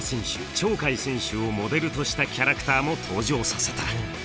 鳥海選手をモデルとしたキャラクターも登場させた。